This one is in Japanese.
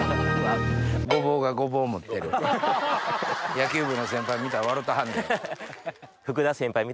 野球部の先輩見たら笑うてはんで。